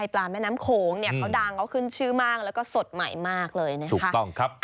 ปลาแม่น้ำโขงเนี่ยเขาดังเขาขึ้นชื่อมากแล้วก็สดใหม่มากเลยนะครับ